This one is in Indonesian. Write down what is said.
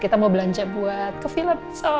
kita mau belanja buat ke vilad so